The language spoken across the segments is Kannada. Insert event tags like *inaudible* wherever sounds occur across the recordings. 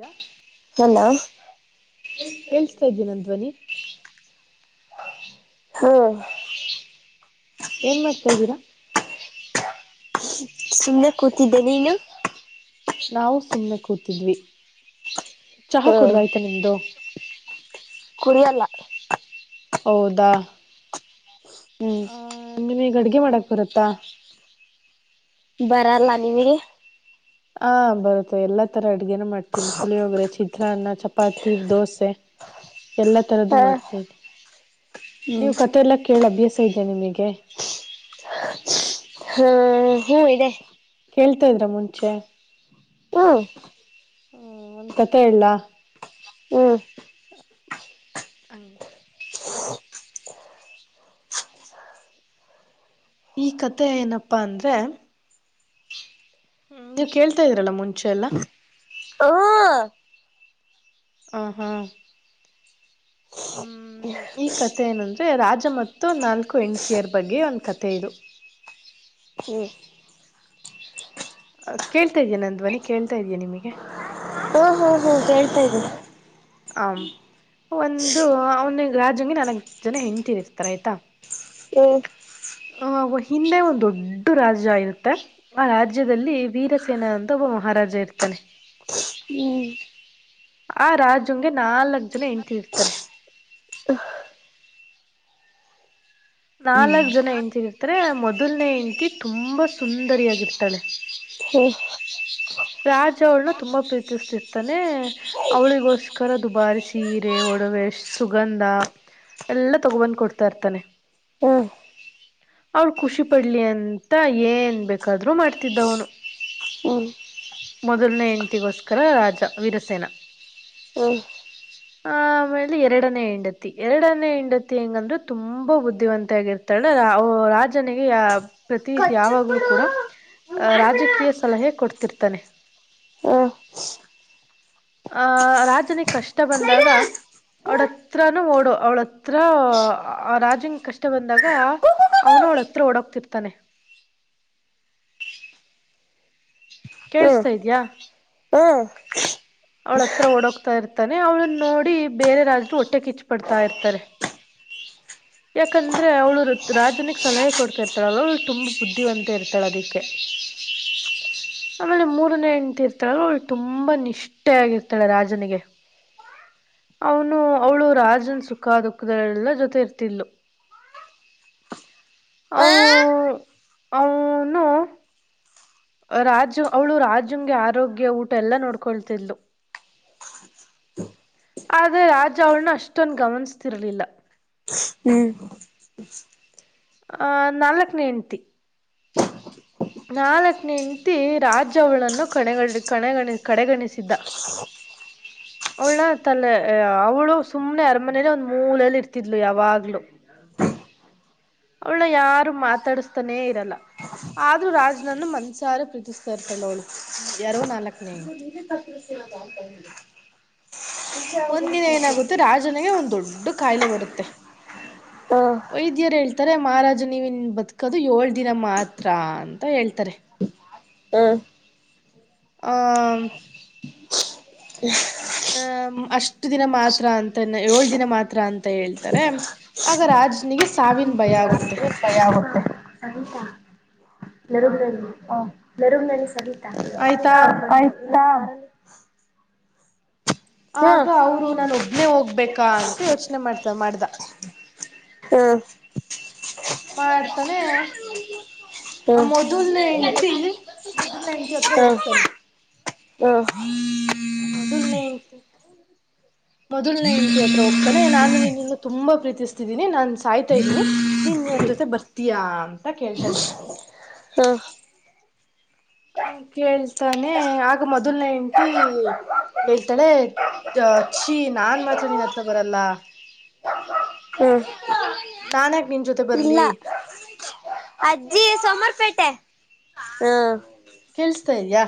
ರಾ ಎಲ್ಲಾ ಕೇೇಳಸ್ತಾ ಇದ್ದೀ ನನ್ ಧ್ವನಿ ಹೂ ಏನ್ ಮಾಡ್ತಾ ಇದ್ದೀರಾ ಸುಮ್ನೆ ಕೂತಿದ್ದೇ ನೀನು ನಾವು ಸುಮ್ನೆ ಕೂತಿದ್ವಿ ಚಹಾ ಹ್ಮ್ ಕುಡ್ದಾಯ್ತ ನಿಮ್ದು ಕುಡಿಯಲ್ಲ ಹೌದಾ ಹ್ಮ್ ಆ ನಿಮಗ್ ಅಡ್ಗೆ ಮಾಡಕ್ ಬರುತ್ತಾ ಬರಲ್ಲ ನಿಮಗೆ ಹಾ ಬರುತ್ತೆ ಎಲ್ಲಾ ತರ ಅಡ್ಗೆೇನ ಮಾಡ್ತೀನಿ ಪುಳಿಯೋಗ್ರೆ ಚಿತ್ರಾನ್ನ ಚಪಾತಿ ಚಪಾತಿ ದೋಸೆ ಎಲ್ಲಾ ತರ್ದು ಹ ಮಾಡ್ತೀನಿ ಹ್ಮ್ ನೀವು ಕತೆಲ್ಲ ಕೇಳಿ ಅಭ್ಯಾಸ ಇದೆಯಾ ನಿಮಗೆ ಹೂ ಹೂ ಇದೆ ಕೇಳ್ತಾ ಇದ್ರ ಮುಂಚೆ ಹೂ ಕಥ ಹೇಳಲ್ಲಾ ಹೂ ಈ ಕತೆೆ ಏನಪ್ಪಾ ಅಂದ್ರೆ ನೀವು ಕೇಳ್ತಾ ಇದೀರಲ್ಲಾ ಮುಂಚೆಲ್ಲಾ ಹ್ಮ್ ಹ ಹಾ ಹ ಹೂ ಈ ಕಥೆ ಏನಂದ್ರೆ ರಾಜ ಮತ್ತು ನಾಲ್ಕಹೆಂಡತಿಯರ್ ಬಗ್ಗೆ ಒಂದ್ ಕತೆೆ ಇದು ಹೂ ಕೇಳ್ತಾ ಇದೀ ನ ಧ್ವನಿ ಕೇಳ್ತಾ ಇದೀಯಾ ನಿಮ್ಗೆ ಹೂ ಹೂ ಹೂ ಕೇಳ್ತಾ ಇದೆ ಆಂ ಒಂದು ಅವ್ನ ಗೆ ರಾಜಂಗೆ ನಾಲ್ಕ್ ಜನ ಹೆಂಡ್ತಿ ಇರ್ತಾರೆ ಆಯ್ತಾ ಹ್ಮ್ ಅ ಹಿಂದೆ ಒಂದು ದೊಡ್ಡ ರಾಜ್ಯ ಇರುತ್ತೆ ಆ ರಾಜ್ಯದಲ್ಲಿ ವೀರಸೇನಾ ಅಂದ ಒಬ್ಬ ಮಹಾರಾಜ ಇರ್ತಾನೆ ಹೂ ಆ ರಾಜಂಗೆ ನಾಲ್ಕ್ ಜನ ಹೆಂಡತಿಯರುಇರ್ತಾರೆ ಹ್ಮ್ ನಾಲ್ಕ್ ಜನ ಹೆಂಡ್ತಿ ಇರ್ತಾರೆ ಮೊದಲನೇ ಹೆಂಡ್ತಿ ತುಂಬಾ ಸುಂದರಿಯಾಗಿರ್ತಾಳೆ ಹೂ ರಾಜ ಅವಳನ್ನ ತುಂಬಾ ಪ್ರೀತಿಸ್ತಿರ್ತಾನೆ ಅವಳಿಗೋಸ್ಕರ ದುಬಾರಿ ಸೀರೆ ಒಡವೆ ಸುಗಂಧ ಎಲ್ಲ ತಗೊಬಂದ್ ಕೊಡ್ತಾ ಇರ್ತಾನೆ ಹೂ ಅವ್ ಖುಷಿ ಪಡ್ಲಿ ಅಂತ ಏನ್ ಬೇಕಾದ್ರರು ಮಾಡ್ತಿದ್ದವನು ಹೂ ಮೊದಲನೇ ಹೆಂಡತಿ ಗೋಸ್ಕರ ರಾಜ ವೀರಸೇನ ಹ ಆ ಆಮೇಲೆ ಎರಡನೇ ಹೆಂಡತಿ ಎರಡನೇ ಹೆಂಡತಿ ಹೆಂಗಂದ್ರೆ ತುಂಬಾ ಬುದ್ಧಿವಂತ ಆಗರ್ತ ರಾಜನಿಗೆ ಯ ಪ್ರತಿ ಯಾವಾಗ್ಲೂ ಕೂಡ ಅಹ ರಾಜಕೀಯ ಸಲಹೆ ಕೊಡ್ತಿರ್ತಾನೆ ಆಹ ರಾಜನಿಗೆ ಕಷ್ಟ ಬಂದಾಗ ಅವಳ ಹತ್ರನುೂ ಓಡು ಅವ್ಳ ಹತ್ರ ಆ ರಾಜಂಗ ಕಷ್ಟ ಬಂದಾಗ ಅವ್ನು ಅವ್ಳ ಹತ್ರ ಓಡೋಗ್ತಿರ್ತಾನೆ ಕೇಳಿಸತಾ ಇದ್ಯಾಾ ಹೂ ಅವ್ಳ ಹತ್ರ ಓಡೋಗ್ತಾ ಇರ್ತಾನೆ ಅವ್ಳನ್ನ ನೋಡಿ ಬೇರೆ ರಾಜರು ಹೊಟ್ಟೆಕ್ ಇಚ್ ಪಡ್ತಾ ಇರ್ತಾರೆ ಯಾಕಂದ್ರೆ ಅವಳು ರಾಜನಿಗೆ ಸಲಹೆ ಕೊಡ್ತಾ ಇರ್ತಾಳಲ್ವ ಅವಳು ತುಂಬಾ ಬುದ್ಧಿವಂತೆ ಇರ್ತಾಳ ಅದಕ್ಕೆ *inaudible* ಆಮೇಲೆ ಮೂರನೇ ಹೆಂಡ್ತಿ ಇರ್ತಾಳಲ್ ಅವಳು ತುಂಬಾ ನಿಷ್ೆ ಆಗಿರ್ತಾಳೆ ರಾಜನಿಗೆ ಅವನು ಅವಳು ರಾಜನ್ ಸುಖ ದುಃಖದ ಎಲ್ಲಾ ಜೊತೆ ಇರ್ತ ಅ ಹ್ಮ್ ಅವ್ನು ರಾಜ್ಯ ಅವಳು ರಾಜ್ಯಂಗೆ ಆರೋಗ್ಯ ಊಟ ಎಲ್ಲಾ ನೋಡ್ಕೊಳ್ತಿದ್ಲು ಆದ್ರೆ ರಾಜ ಅವ್ನ್ನ ಅಷ್ಟೊನ್ ಗಮನಿಸ್ತಿರ್ಲಿಲ್ಲ ಹೂ ಆ ನಾಲ್ಕನೇ ಹೆಂಡ್ತಿ ನಾಲ್ಕನೇಂತಿ ರಾಜ್ಯ ಅವಳನ್ನು ಕಣ ಕಣಗಣ ಕಡೆಗಣಿಸಿದ್ದ *inaudible* ಅವಳನ ತಲೆ ಅವ್ಳು ಸುಮ್ನೆ ಅರಮನೇಲೆ ಒಂದ್ ಮೂಲೆಯಲ್ಲಿ ಇರ್ತಿದ್ಲು ಯಾವಾಗ್ಲುೂ ಅವಳ ಯಾರು ಮಾತಾಡಸ್ತಾನೇ ಇರಲ್ಲ ಆದ್ರೂ ರಾಜನನ್ನು ಮನ್ಸಾರ ಪ್ರೀತಿಸ್ತಾ ಇರ್ತಾಳ ಅವಳು ಎರಡು ನಾಲ್ಕನೇಂತಿ ನಿ ತಪ್ಪತ ಒಂದಿನ ಏನಾಗುತ್ತೆ ರಾಜನಿಗೆ ಒಂದ್ ದೊಡ್ಡ ಕಾಯಿಲೆ ಬರುತ್ತೆ ವೈದ್ಯರು ಹೇಳ್ತಾರೆ ಮಹಾರಾಜ ನೀವನ್ ಬದುಕೋದು ಏಳ್ ದಿನ ಮಾತ್ರ ಅಂತ ಹೇಳ್ತಾರೆ ಹಾ ಆ ಹ ಅಷ್ಟು ದಿನ ಮಾತ್ರ ಅಂತ ಏಳು ದಿನ ಮಾತ್ರ ಅಂತ ಹೇಳ್ತಾರೆ ಆಗ ರಾಜನಿಗೆ ಸಾವಿನ ಭಯ ಆಗುತ್ತೆ ಭಯ ಆಗುತ್ತೆ ಸರಿಿತಾ ನೆರುಮಣಿ ನೆರುಮಣಿ ಸವಿತಾ ಆಯ್ತಾ ಹೂ ಆಗ ಅವರು ನಾನು ಒಬ್ನೇ ಹೋಗ್ಬೇಕಾ ಅಂತ ಯೋಚನೆ ಮಾಡ್ತಾ ಮಾಡ್ದ ಹೂ ಮಾಡ್ತಾನೆ ಆ ಮೊದಲ್ನ ಹೆಂಡ್ತಿ ಮೊದಲ್ನ ಹೆಂಡ್ತಿ ಹತ್ರ ಹೋಗ್ತಾನೆ ಹ ಹ ಮೊದಲ್ನೇ ಹೆಂಡ್ತಿ ಮೊದಲ್ನೇ ಹೆಂಡ್ತಿ ಹತ್ರ ತಾನೆ ನಾನು ನಿನ್ನನ್ನು ತುಂಬಾ ಪ್ರೀತಿಸ್ತಿದ್ದೀನಿ ನಾನ್ ಸಾಯ್ತಾ ಇದ್ದೀನಿ ನೀನ್ ನಮ ಜೊತೆ ಬರ್ ಯಾ ಅಂತ ಕೇಳ್ತಾನೆ ಹಾಂ ಹಾಂಗ್ ಕೇಳ್ತಾನೆ ಆಗ ಮೊದಲ್ನ ಹೆಂಡ್ತಿ ಹೇಳ್ತಾಳೆ ಚಿ ನಾನ್ ಮಾತ್ರ ನಿನ್ ಹತ್ರ ಬರಲ್ಲ ಹೂ ನಾನ್ಕ ನಿನ್ ಜೊತೆ ಬರ್ಲಿ ಅಜ್ಜಿ ಸಮರ್ಪೇಟೆ ಹೂ ಕೇಳಳ್ಸ್ತಾ ಇದ್ಯಾ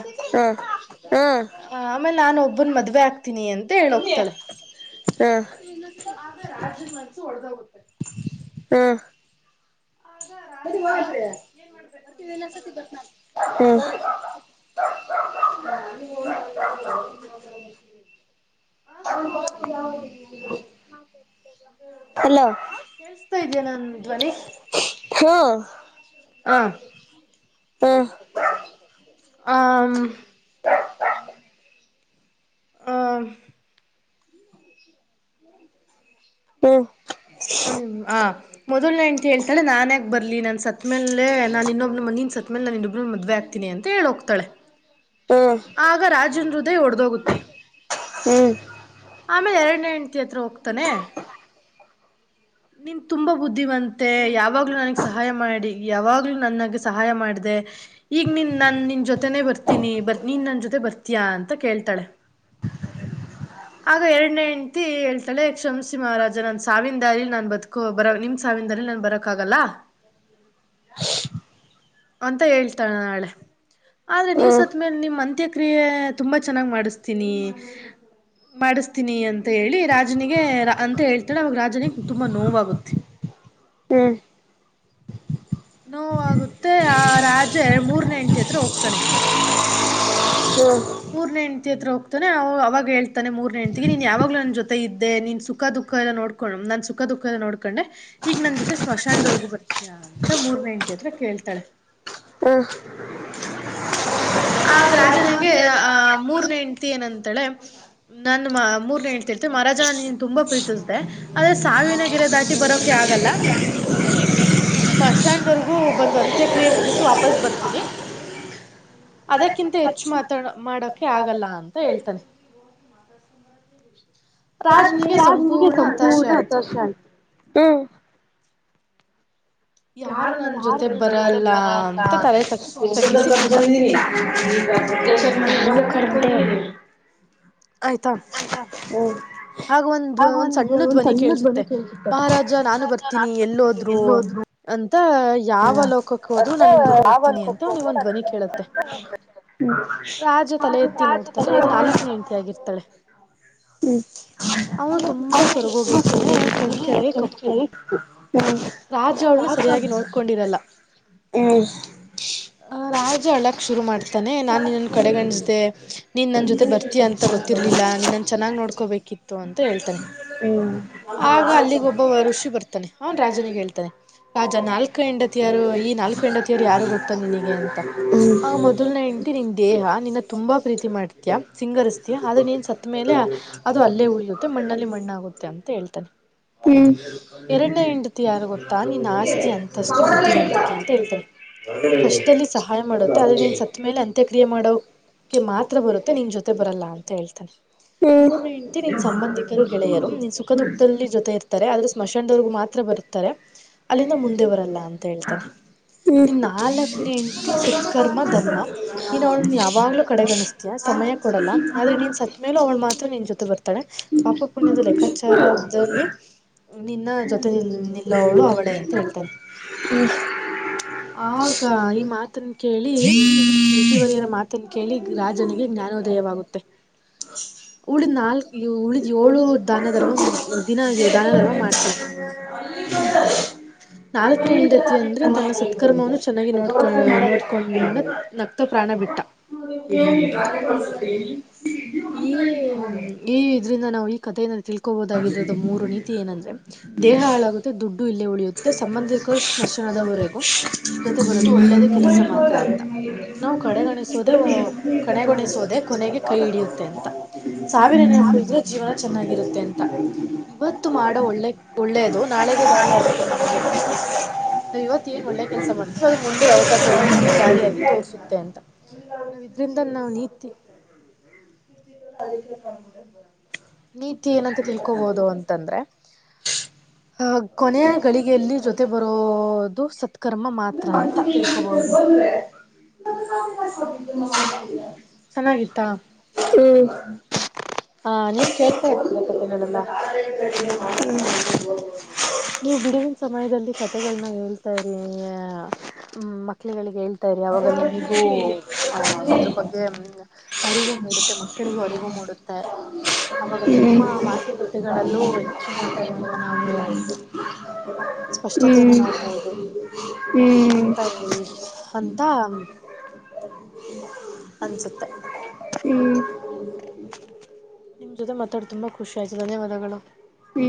ಹ್ಮ್ ಆ ಆಮೇಲೆ ನಾನ ಒಬ್ಬನ್ ಮದ್ವೆ ಆಕ್ತೀನಿ ಅಂತ ಹೇಳೋಗ್ತಾಳೆ ಹ್ಮ್ ಆಗ ರಾಜನ್ ಮನ್ಸು ಒಳ್ದೋಗುತ್ತೆ ಹಾ ಅವಾಗ ರಾಜ ಕತಿ ಏನ್ ಮಾಡ್ಬೇಕು ಅಂತ ವಸ ಗೊತ್ತಾಗಲ್ಲ ಬನ ಹ ಆ ಹಲೋ ಕೇಸ್ತಾ ಇದಯ ನಾನ್ ಧ್ವನಿ ಹಾ ಹಾ ಹ್ಮ್ ಹಮ್ ಹ ಹೂ ಹ ಹ ಮೊದಲನೇಂತ ಹೇಳ್ತಾಳ ನಾನ್ಕೆ ಬರ್ಲಿ ನನ್ ಸತ್ ಮೇಲೆ ನಾನ ಇನ್ನೊಬ್ಬನ ಮಂದೀಿನ ಸತ್ ಮೇಲೆ ನನ್ ಇನ್ನೊಬ್ಬ ಮದ್ೆ ಆಗ್ ಅಂತ ಹೇಳ ಹೋಗ್ತಾಳೆ ಹ್ಮ್ ಹ್ಮ್ ಹ್ಮ್ ಹ್ಮ್ ಹ್ಮ್ ಹ್ಮ್ ಹ್ಮ್ ಹ್ಮ್ ಹ್ಮ್ ಹ್ಮ್ ಹ್ಮ್ ಹ್ಮ್ ಹ್ಮ್ ಹ್ಮ್ ಹ್ಮ್ ಆಗ ರಾಜನ್ ಹೃದಯ ಹೊಡ್ದೋಗುತ್ತೆ ಆಮೇಲೆ ಎರಡನೇ ಹೆಂಡ್ತಿ ಹತ್ರ ಹೋಗ್ತಾನೆ ನಿನ್ ತುಂಬಾ ಬುದ್ಧಿವಂತೆ ಯಾವಾಗ್ಲೂ ನನಗ್ ಸಹಾಯ ಮಾಡಿ ಯಾವಾಗ್ಲುೂ ನನ್ಗೆ ಸಹಾಯ ಮಾಡಿದೆ ಈಗ ನಿನ್ ನಾನ ನಿನ್ ಜೊತೆನೆ ಬರ್ತೀನಿ ಬರ್ ನೀನ್ ನನ್ನ ಜೊತೆ ಬರ್ತೀಯಾ ಅಂತ ಕೇಳ್ತಾಳೆ ಆಗ ಎರಡನೇ ಹೆಂಡ್ತಿ ಹೇಳ್ತಳೆ ಕ್ಷಮಸಿ ಮಹಾರಾಜ ನನ್ ಸಾವಿನಾರಿ ನಾನ್ ಬದುಕೋ ಬರ ನಿಮ್ ಸಾವಿನಿಂದಾರಿ ನಾನ್ ಬರ ಬರಾಕ್ ಹಾಗಲ್ಲ ಅಂತ ಹೇಳ್ತಾಳೆ ನಾಳೆ ಆದ್ರೆ ನೀವು್ ಸತ್ ಮೇಲೆ ನಿಮ್ ಅಂತ್ಯ ತುಂಬಾ ಚನ್ನಾಗ್ ಮಾಡಿಸತೀನಿ ಮಾಡಿಸತೀನಿ ಅ ಅಂತ ಹೇಳಿ ರಾಜನಿಗೆ ಅಂತ ಹೇಳ್ತಾಳೆ ಅವಾಗ ರಾಜನಿಗೆ ತುಂಬ ನೋವಾಗುತ್ತೆ ಹೂ ನೋವಾಗುತ್ತೆ ಆ ರಾಜ ಮೂರ್ನೆ ಹೆಂಡ್ತಿ ಹತ್ರ ಹೋಗ್ತಾನೆ ಹೂ ಮೂರನೇ ಹೆಂಡಟತಿ ಹತ್ರ ಹೋಗ್ತಾನೆ ಅವಾಗ ಹೇಳ್ತಾನೆ ಮೂರನೇ ಹೆಂಡ್ತಿಿಗೆ ನೀನ್ ಯಾವಾಗ್ಲೂ ನ ಜೊತೆ ಇದ್ದೆನ್ ಸುಖ ದುಃ ಎಲ್ಲ ನೋಡ್ ನಾನ್ ಸುಖ ಃಖದ ನೋಡ್ಕೊಂಡೆ ಈಗ ನನ್ ಜೊತೆ ಸ್ಮಶಾನದವರೆಗ ಬರ್ತಿಯಾ ಅಂತ ಮೂರ್ನೆ ಹೆಂಡ್ತಿ ಹತ್ರ ಕೇಳ್ತಾಳೆ ಹಾ ್ ಆಗ ರಾಜನಿಗೆ ಆಹ ಮೂರನೇ ಹೆಂಡ್ತಿ ಏನಂತಳೆ ನನ್ನ ಮೂರನೇ ಹೇಳ್ತಿಳ್ೀವಿ ಮಹಾರಾಜ ನಿನ್ನ ತುಂಬ ಪ್ರೀತಿಸ್ದಿದೆ ಆದದ್ರೆ ಸಾವಿನಗಿರೆ ದಾಟಿ ಬರೋಕೆ ಆಗಲ್ಲ ಸ್ಮಾಶಾನ್ದವರೆಗೂ ಬಂದು ಅಂತ್ಯಕ್ರಿಯೆ ಮುಗಿಸಿ ವಾಪಸ್ ಬರ್ತನೀ ಅದಕ್ಕಿಂತ ಹೆಚ್ಚು ಮಾತಾಡ ಮಾಡಕೆ ಆಗಲ್ಲ ಅಂತ ಹೇಳ್ತಾನೆ ರಾಜ್ನಿಗೆಸ ಸಂಪೂರ್ಣ ಹತ್ತು ವರ್ಷ ಅಲ್ವಾ ಯಾರು ನನ್ ಕ ಜೊತೆ ಬರಲ್ಲ ಅಂತ ತಲೆ ತ ತಗ್ಗಿಸಿ ಕೂತ ಬಂದಿದ್ದೀನಿ ಕಾರ್ಡೇ ಅಂತ ಹೇಳಿ ಆಯ್ತಾ ಹ್ಮ್ ಆಗ ಒಂದ್ವ್ ಒಂದ್ ಸಣ್ಣ ಧ್ವನಿ ಕೇಳ್ಸುತ್ತೆ ಮಹಾರಾಜ ನಾನು ಬರ್ತೀನಿ ಎಲ್ಲೋದ್ರು. ಅಂತ ಯಾವ ಲೋಕಕ್ಕ್ ಹೋದ್ರು ನಾನ್ ನಿಮ್ ಜೊತೆ ಬರ್ತೀನಿ ಅಂತ ಅವ್ನಿಗೊಂದ್ ಧ್ವನಿ ಕೇಳತ್ತೆ. ರಾಜ ತಲೆ ಎತ್ತಿ ನೋಡ್ತಾನೆ ಅದು ನಾಲ್ಕನೇ ಹೆಂಡ್ತಿ ಆಗಿರ್ತಾಳೆ. ಹ್ಮ್ ಅವಾಗ ತುಂಬಾ ಸೊರ್ಗೋಗಿರ್ತಾನೆ ಕಣ್ ಕೆಳಗೆ ಕಪ್ಪು. ರಾಜ ಅವಳನ್ನ ಸರಿಯಾಗಿ ನೋಡ್ಕೊಂಡಿರಲ್ಲ. ಅ ರಾಜ ಅಳಕ್ ಶುರು ಮಾಡ್ತಾನೆ ನಾನ್ ನಿನ್ನನ್ನ ಕಡೆಗಣಿಸ್ದೆ ನೀನ್ ನನ್ ಜೊತೆ ಬರ್ತ್ ತೀಯ ಅಂತ ಗೊತ್ತಿರ್ಲಿಲ್ಲ ನೀನ್ನನ್ ಚೆನ್ನಾಗ್ ನೋಡ್ಕೋಬೇಕಿತ್ತು ಅಂತ ಹೇಳ್ತಾನೆ. ಆಗ ಅಲ್ಲಿಗ್ ಒಬ್ಬ ಋಷಿ ಬರ್ತಾನೆ ಅವನ್ ರಾಜನಿಗೆ ಹೇಳ್ತಾನೆ ರಾಜ ನಾಲ್ಕ್ ಕು ಹೆಂಡತಿಯರು ಈ ನಾಲ್ಕು ಹೆಂಡತಿಯರು ಯಾರು ಗೊತ್ತ ನಿನಗೆ ಅಂತ ಆಗ ಮೊದ್ ತಿ ನಿನ್ ದೇಹ ನಿನ್ನ ತುಂಬಾ ಪ್ರೀತಿ ಮಾಡ್ತಿಯ ಸಿಂಗರ್ಸ್ತಿಯ ಆದ್ರೆ ನೀನ್ ಸತ್ ಮೇಲೆ ಅದು ಅಲ್ಲೇ ಉಳಿಯುತ್ತೆ ಮಣ್ಣಲ್ಲಿ ಮಣ್ಣಾಗುತ್ತೆ ಅಂತ ಹೇಳ್ತಾನೆ. ಎರಡನೇ ಹೆಂಡತಿ ಯಾರು ಗೊತ್ತಾ, ನಿನ್ ಆಸ್ತಿ ಅಂತಸ್ತು ಬುದ್ಧಿವಂತಿಕೆ ಅಂತ ಹೇಳ್ತನೆ. ಕಷ್ಟದಲ್ಲಿ ಸಹಾಯ ಮಾಡುತ್ತೆ ಆದ್ರೆ ನೀನ್ ಸತ್ ಮೇಲೆ ಅಂತ್ಯಕ್ರಿಯೆ ಮಾಡೋ ಗೆ ಮಾತ್ರ ಬರುತ್ತೆ ನಿನ್ ಜೊತೆ ಬರಲ್ಲ ಅಂತ ಹೇಳ್ತಾನೆ. ಮೂರನೆ ಹೆಂಟತಿ ನಿನ್ ಸಂಬಂಧಿಕರು ಗೆಳೆಯರು ನಿನ್ ಸುಖ ದುಃಖದಲ್ಲಿ ಜೊತೆ ಇರ್ತ್ ತ್ತರೆ, ಆದ್ರ ಸ್ಮಶಾನದವ್ರಗು ಮಾತ್ರ ಬರ್ತಾರೆ ಅಲ್ಲಿಂದ ಮುಂದೆ ಬರಲ್ಲ ಅಂತ ಹೇಳ್ತಾನೆ. ನಿನ್ ನಾಲ್ಕನೇ ಹೆಂಡ್ತಿ ಸತ್ಕರ್ಮ ಧರ್ಮ ನೀನ್ ಅವ್ಳನ್ನ್ ಯಾವಾಗ್ಲೂ ಕಡೆಗಣಿಸ್ತ ತ್ತೀಯ ಸಮಯ ಕೊಡಲ್ಲ ಆದ್ರೆ ನೀನ್ ಸತ್ ಮೇಲೆ ಅವ್ಳ ಮಾತ್ ತ್ರ ನಿನ್ ಜೊತೆ ಬರ್ತಾಳೆ ಪಾಪ ಪುಣ್ಯದ ಲೆಕ್ಕಾಚಾರದಲ್ಲಿ ನಿನ್ನ ಜೊತೆ ನಿಲ್ ನಿಲ್ಲೋವಳು ಅವಳೇ ಅಂತ ಹೇಳ್ತಾನೆ *inaudible* ಆಗ ಈ ಮಾತನ್ ಕೇಳಿ ಋಷಿವರ್ಯರ ಮಾತನ್ನ್ ಕೇಳಿ ರಾಜನಿಗೆ ಜ್ಞಾನೋದಯವಾಗುತ್ತೆ. ಹ *inaudible* ಉಳಿದ್ ನಾಲ್ಕ್ ಉಳಿದ್ ಏಳು ದಾನ ಧರ್ಮ ದಿನ ದಾನ ಧರ್ಮ ಮಾಡ್ತಾರೆ. ಇ *unintelligible* *unintelligible* ನಾಲ್ಕನೇ ಹೆಂಡತಿ ಅಂದ್ರೆ ತನ್ನ ಸತ್ಕರ್ಮವನ್ನು ಚೆನ್ನಾಗಿ ನೋಡ್ಕ ನೋಡ್ಕೊಂಡ ನಕ್ತ ಪ್ರಾಣ ಬಿಟ್ಟ ಎ *unintelligible* ಈ ಈ ಇದ್ರಿಂದ ನಾವು ಈ ಕಥೆಯಿಂದ ತಿಳ್ಕೋಬಹದಾಗದ್ದ್ ಮೂರು ನೀತಿ ಏನಂದ್ರೆ ದೇಹ ಹಾಳಾಗುತ್ತೆ ದುಡ್ಡು ಇಲ್ಲೇ ಉಳಿಯುತ್ತೆ. ತ್ ಸಂಬಂಧಿಕ್ರು ಸ್ಮಶಾನದವರೆಗೂ, ಜೊತೆ ಬರೋದು ಒಳ್ಳೇದು ಕೆಲಸ ಮಾತ್ರ ಅಂತ. ನಾವು ಕಡೆಗಣಿಸೋದೆ ಕಡೆಗಣಿಸೋದೆೇ ಕೊನೆಗೆ ಕೈ ಹಿಡಿಯುತ್ತೆ ಅಂತ ಸಾವಿನ ನೆನಪು ಇದ್ರೆ ಜೀವನ ಚೆನ್ನಾಗಿರುತ್ತೆ ಅಂತ ಇವತ್ತು ಮಾಡೋ ಒಳ್ಳೆ ಒಳ್ಳೇದು ನಾಳೆಗೆ ದಾರಿ ಆಗುತ್ತೆ ನಮಗೆ. ನಾವ್ ಇವತ್ತು ಏನ್ ಒಳ್ಳೆ ಕೆಲಸ ಮಾಡ್ತೀವೊ ಅದು ಮುಂದೆ ಯಾವತ್ತಾದ್ರು ಒಂದ್ ನಮಗ್ ದಾರಿಯಾಗಿ ತೋರ್ಸುತ್ತೆ ಅಂತ. ನಾವ ಇದ್ರಿಂದ ನಾವ್ ನೀತಿ ಅದಕ್ಕೆ ನೀತಿ ಏನಂತ ತಿಳ್ಕೋಬೋದು ಅಂತಂದ್ರೆ ಹ ಕೊನೆಯ ಗಳಿಗೆಯಲ್ಲಿ ಜೊತೆ ಬರೋದು ಸತ್ಕರ್ಮ ಮಾತ್ರ ಅಂತ ತಿಳ್ಕೋಬಹುದು ಇದು. ರ್ *inaudible* ಚೆನ್ನಾಗಿತ್ತಾ ಹ್ಮ ಹ ನೀವ್ ಕೇಳ್ತಾ *inaudible* ಇರ್ತೀರಾ ಕತೆೆಗಳೆಲ್ಲ *unintelligible* ನೀವು ಬಿಡುವಿನ ಸಮಯದಲ್ಲಿ ಕತೆೆಗಳನ್ನ ಹೇಳ್ತಾ ಇರಿ ಮ ಮಕ್ಲಿಗಳಿಗೆ ಹೇಳ್ತಾ ಇರಿ ಅವಾಗ ನಿಮಗೂ ಅದ್ರ ಬಗ್ಗೆ ಅರಿವು ಮೂಡುತ್ತೆ ಮಕ್ಕಳಿಗೂ ಅರಿವು ಮೂಡುತ್ತೆ. ಅವಾಗ ನಿಮ್ಮ ಮಾತುಕತೆಗಳಲ್ಲೂ ಹೆಚ್ಚಿನ ಪ್ರಮಾಣದ ನಾವು. ಸ್ಪಷ್ಟತೆಯನ್ನ ನೋಡ್ಬಹುದು ಹ್ಮ್ ಅಂತ ಹೇಳಿ ಅಂತ. ನಾವೆಲ್ಲ ಬರ್ತಿಲ್ಲೋ. ಅನ್ಸುತ್ತೆ. ನಿಮ್ಮ ಜೊತೆ ಮಾತಾಡ ತುಂಬಾ ಖುಷಿ ಆಯ್ತು ಧನ್ಯವಾದಗಳು. ಹು